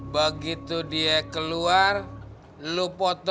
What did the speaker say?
begitu dia keluar lo foto